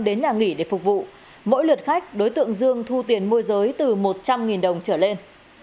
đến nhà nghỉ để phục vụ mỗi lượt khách đối tượng dương thu tiền môi giới từ một trăm linh đồng trở lên